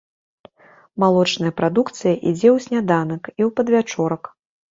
Малочная прадукцыя ідзе ў сняданак і ў падвячорак.